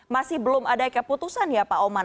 masih belum ada keputusan ya pak oman